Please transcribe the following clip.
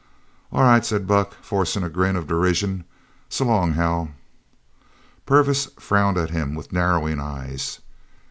"All right," said Buck, forcing a grin of derision, "so long, Hal." Purvis frowned at him with narrowing eyes.